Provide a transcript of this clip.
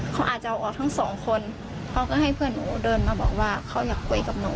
เขาอาจจะเอาออกทั้งสองคนเขาก็ให้เพื่อนหนูเดินมาบอกว่าเขาอยากคุยกับหนู